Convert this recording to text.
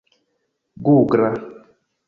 gugla